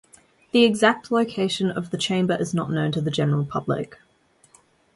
The exact location of the chamber is not known to the general public.